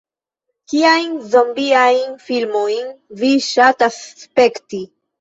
"Kiajn zombiajn filmojn vi ŝatas spekti?"